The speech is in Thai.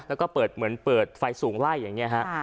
แล้วก็เปิดเหมือนเปิดไฟสูงไล่อย่างนี้ฮะ